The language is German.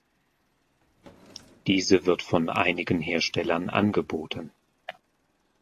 Diese wird von einigen Herstellern angeboten.